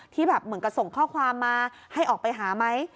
ที่แบบเหมือนกับส่งข้อความมาให้ออกไปหาไหม